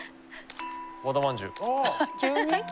和田まんじゅう。